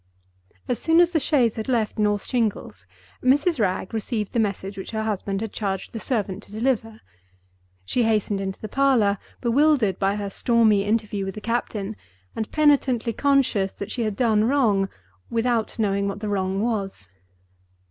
As soon as the chaise had left North Shingles, Mrs. Wragge received the message which her husband had charged the servant to deliver. She hastened into the parlor, bewildered by her stormy interview with the captain, and penitently conscious that she had done wrong, without knowing what the wrong was.